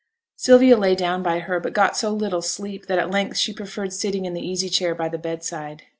Sylvia lay down by her, but got so little sleep, that at length she preferred sitting in the easy chair by the bedside.